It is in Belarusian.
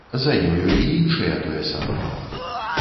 За ёю і іншыя тое самае.